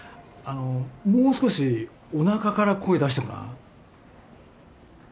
あのもう少しおなかから声出してごらん。